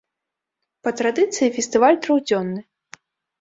Па традыцыі фестываль трохдзённы.